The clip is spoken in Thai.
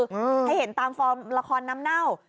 ให้เห็นตามฟอร์มละครน้ำเน่า